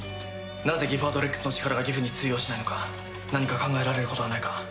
なぜギファードレックスの力がギフに通用しないのか何か考えられることはないか？